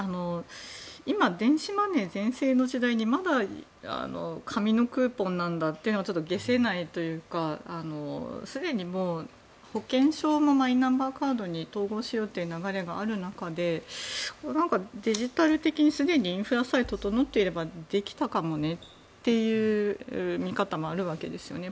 今、電子マネー全盛の時代にまだ紙のクーポンなんだってのがちょっと解せないというかすでに保険証もマイナンバーカードに統合しようという流れがある中でデジタル的にすでにインフラさえ整っていればできたかもねって見方もあるわけですよね。